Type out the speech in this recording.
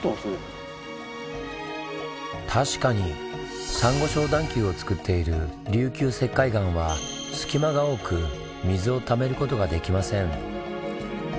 確かにサンゴ礁段丘をつくっている琉球石灰岩は隙間が多く水を溜めることができません。